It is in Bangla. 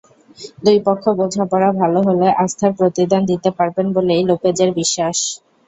দুই পক্ষে বোঝাপড়া ভালো হলে আস্থার প্রতিদান দিতে পারবেন বলেই লোপেজের বিশ্বাস।